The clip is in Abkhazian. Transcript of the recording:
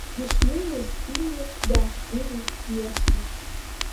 Дышнеиуаз, имҩа дааԥгылеит мҩасҩык.